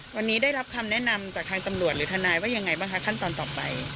วันนี้ได้รับคำแนะนำจากทางตำรวจหรือทนายว่ายังไงบ้างคะขั้นตอนต่อไป